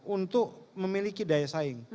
untuk memiliki daya saing